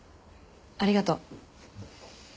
ありがとう。